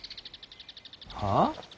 はあ？